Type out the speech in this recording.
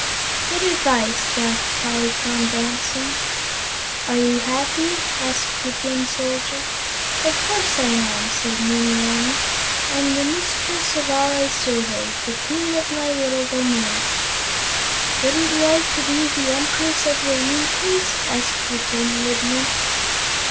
"Good advice!" laughed Polychrome, dancing. "Are you happy?" asked the Tin Soldier. "Of course I am," said Nimmie Amee; "I'm the mistress of all I survey the queen of my little domain." "Wouldn't you like to be the Empress of the Winkies?" asked the Tin Woodman.